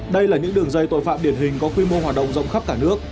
đây là những đường dây tội phạm điển hình có quy mô hoạt động rộng khắp cả nước